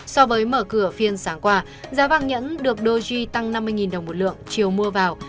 so với mở cửa phiên sáng qua giá vàng nhẫn được doji tăng năm mươi đồng một lượng chiều mua vào